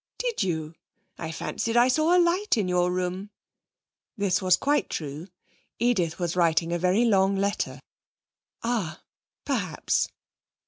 'Did you? I fancied I saw a light in your room.' This was quite true. Edith was writing a very long letter. 'Ah, perhaps.'